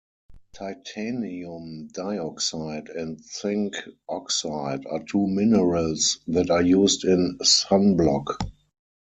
Titanium dioxide and zinc oxide are two minerals that are used in sunblock.